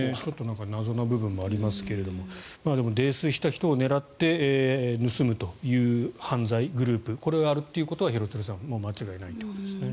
謎な部分もありますがでも泥酔した人を狙って盗むという犯罪グループこれがあるということは間違いないということですね。